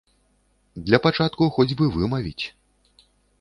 Для пачатку хоць бы вымавіць.